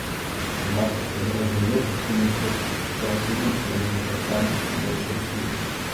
Аднак пры спадарожным ветры шхуна істотна саступае суднам з прамымі парусамі і становіцца рысклівай.